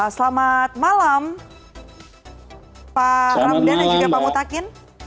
selamat malam pak ramdan dan juga pak mutakin